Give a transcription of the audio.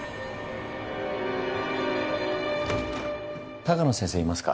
鷹野先生いますか？